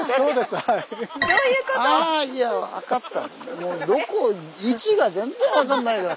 もうどこ位置が全然分かんないから。